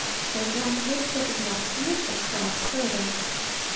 They grunted, but did not commit themselves further.